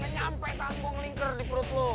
sampai tanggung lingkar di perut lo